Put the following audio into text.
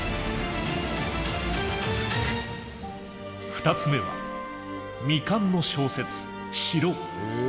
２つ目は未完の小説「城」。